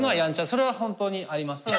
それは本当にあります。